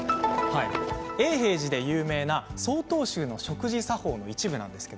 永平寺で有名な曹洞宗の食事作法の一部です。